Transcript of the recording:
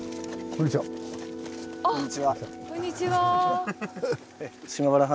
こんにちは。